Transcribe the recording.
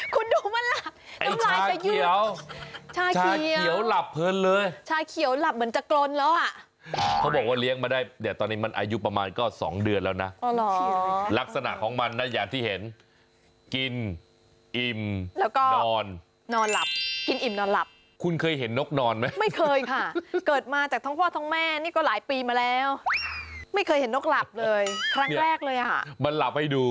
คุณดูมันหลับไอ้ชาเขียวชาเขียวหลับเหมือนจะกลลแล้วอ่ะ